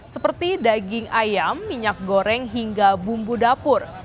seperti daging ayam minyak goreng hingga bumbu dapur